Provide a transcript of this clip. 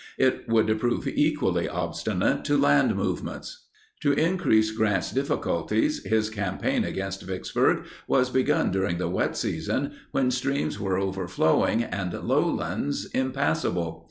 It would prove equally obstinate to land movements. To increase Grant's difficulties, his campaign against Vicksburg was begun during the wet season when streams were overflowing and lowlands impassable.